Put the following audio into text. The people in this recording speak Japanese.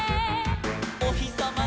「おひさま